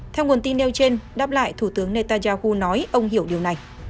theo nguồn tin nêu trên đáp lại thủ tướng netanyahu nói ông hiểu điều này